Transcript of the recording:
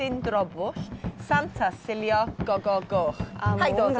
はいどうぞ。